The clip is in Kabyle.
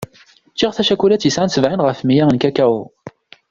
Ččiɣ tacakulat yesɛan sebɛin ɣef meyya n kakao.